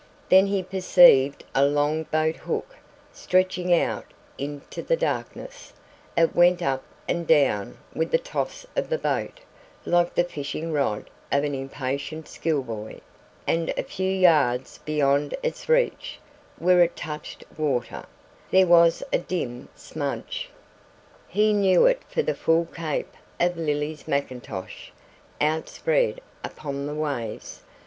Then he perceived a long boat hook stretching out into the darkness; it went up and down with the toss of the boat like the fishing rod of an impatient school boy, and a few yards beyond its reach, where it touched water, there was a dim smudge. He knew it for the full cape of Lily's macintosh, outspread upon the waves.